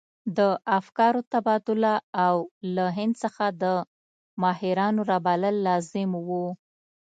د افکارو تبادله او له هند څخه د ماهرانو رابلل لازم وو.